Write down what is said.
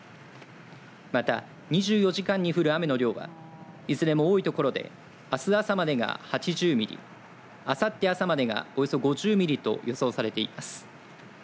また２４時間に降る雨の量はいずれも多いところであす朝までが８０ミリあさって朝までがおよそ５０ミリと予想されています。